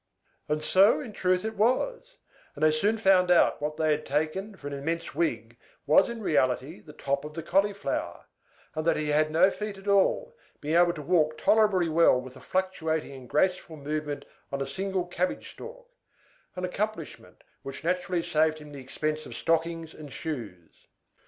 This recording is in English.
And so, in truth, it was: and they soon found that what they had taken for an immense wig was in reality the top of the Cauliflower; and that he had no feet at all, being able to walk tolerably well with a fluctuating and graceful movement on a single cabbage stalk, an accomplishment which naturally saved him the expense of stockings and shoes.